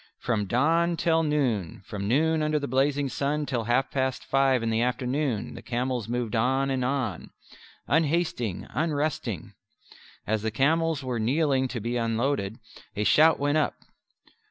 From dawn till noon, from noon under the blazing sun till half past five in the afternoon, the camels moved on and on, "unhasting, unresting." As the camels were kneeling to be unloaded, a shout went up.